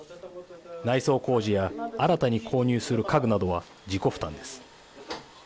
内装工事や新たに購入する家具などは自己負担です。